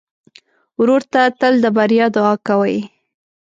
ورور ته تل د بریا دعا کوې.